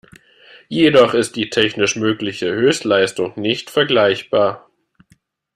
Jedoch ist die technisch mögliche Höchstleistung nicht vergleichbar.